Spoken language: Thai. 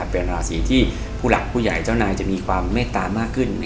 เป็นราศีที่ผู้หลักผู้ใหญ่เจ้านายจะมีความเมตตามากขึ้น